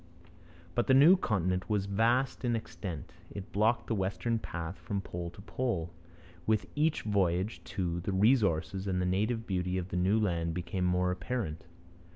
But the new continent was vast in extent. It blocked the westward path from pole to pole. With each voyage, too, the resources and the native beauty of the new land became more apparent.